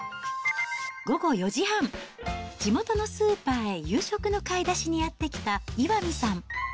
午後４時半、地元のスーパーへ、夕食の買い出しにやって来た岩見さん。